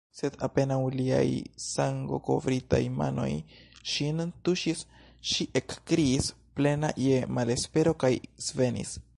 Sed apenaŭ liaj sangokovritaj manoj ŝin tuŝis, ŝi ekkriis, plena je malespero, kaj svenis.